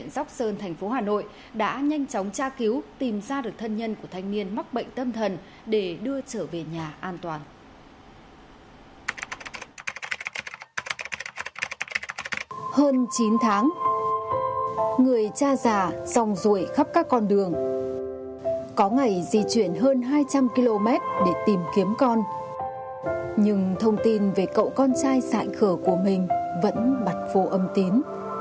người cha già dòng ruổi khắp các con đường có ngày di chuyển hơn hai trăm linh km để tìm kiếm con nhưng thông tin về cậu con trai sạn khở của mình vẫn bặt vô âm tín